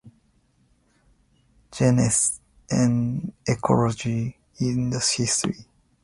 Genes and ecology in history.